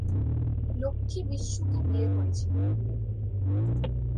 লক্ষ্মী বিষ্ণুকে বিয়ে করেছিলেন।